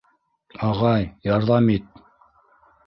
Ағай, ярҙам ит!